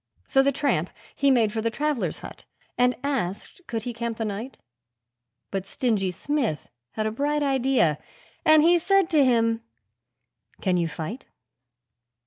So the tramp he made for the travellers' hut, and asked could he camp the night; But Stingy Smith had a bright idea, and he said to him, 'Can you fight?'